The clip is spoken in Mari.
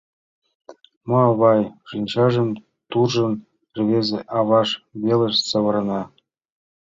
— Мо, авай? — шинчажым туржын, рвезе аваж велыш савырна.